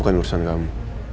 bukan urusan kamu